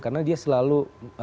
karena dia selalu